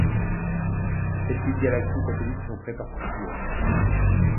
Ces petites galaxies satellites sont très particulières.